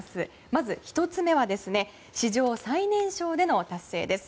まず１つ目は史上最年少での達成です。